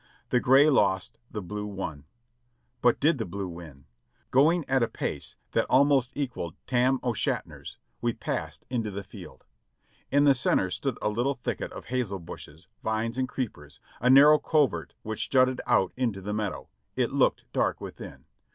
The gray lost, the blue won. But did the blue win? Going at a pace that almost equalled "Tam O'Shanter's,'' we passed into the field. In the center stood a little thicket of hazel bushes, vines and creepers, a narrow covert which jutted out into the meadow; it looked dark within.